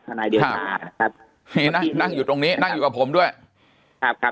คณายเดียวตาครับนั่งอยู่ตรงนี้นั่งอยู่กับผมด้วยครับครับ